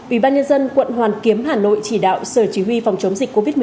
ủy ban nhân dân quận hoàn kiếm hà nội chỉ đạo sở chỉ huy phòng chống dịch covid một mươi